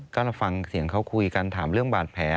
ก็เราฟังเสียงเขาคุยกันถามเรื่องบาดแผล